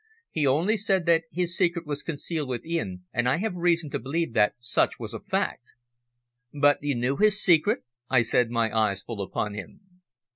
"He only said that his secret was concealed within and I have reason to believe that such was a fact." "But you knew his secret?" I said, my eyes full upon him.